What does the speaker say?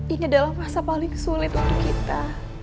ini adalah masa paling sulit untuk kita